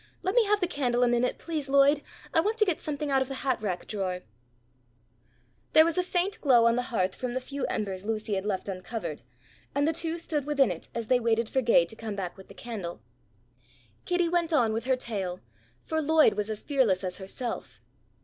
Let me have the candle a minute, please, Lloyd, I want to get something out of the hat rack drawer." There was a faint glow on the hearth from the few embers Lucy had left uncovered, and the two stood within it as they waited for Gay to come back with the candle. Kitty went on with her tale, for Lloyd was as fearless as herself.